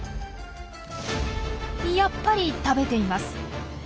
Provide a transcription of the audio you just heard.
やっぱり食べています。